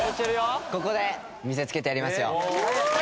ここで見せつけてやりますよ。